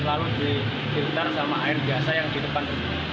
lalu dihitung sama air biasa yang di depan